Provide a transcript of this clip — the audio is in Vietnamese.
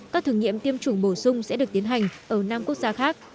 các thử nghiệm tiêm chủng bổ sung sẽ được tiến hành ở năm quốc gia khác